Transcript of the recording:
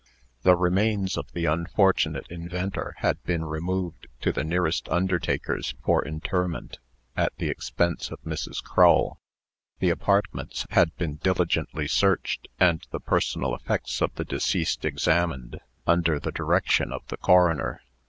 The remains of the unfortunate inventor had been removed to the nearest undertaker's for interment, at the expense of Mrs. Crull. The apartments had been diligently searched, and the personal effects of the deceased examined, under the direction of the coroner.